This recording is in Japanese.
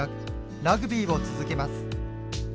ラグビーを続けます。